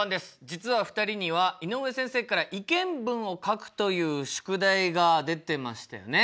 実は２人には井上先生から意見文を書くという宿題が出てましたよね。